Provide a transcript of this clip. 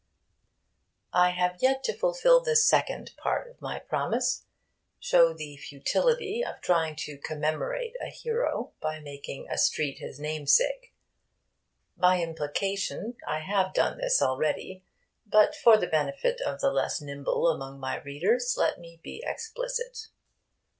I have yet to fulfil the second part of my promise: show the futility of trying to commemorate a hero by making a street his namesake. By implication I have done this already. But, for the benefit of the less nimble among my readers, let me be explicit.